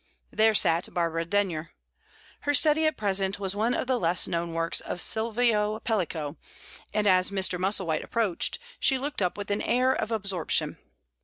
There sat Barbara Denyer. Her study at present was one of the less known works of Silvio Pellico, and as Mr. Musselwhite approached, she looked up with an air of absorption.